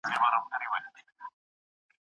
په تور کې پټ خورمايي رنګ وځغلېد